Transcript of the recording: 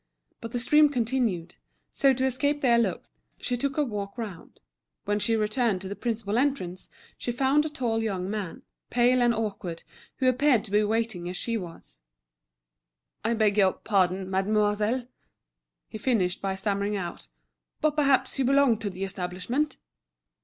But the stream continued, so to escape their looks, she took a walk round. When she returned to the principal entrance, she found a tall young man, pale and awkward, who appeared to be waiting as she was. "I beg your pardon, mademoiselle," he finished by stammering out, "but perhaps you belong to the establishment?"